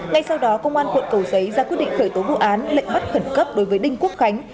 ngay sau đó công an quận cầu giấy ra quyết định khởi tố vụ án lệnh bắt khẩn cấp đối với đinh quốc khánh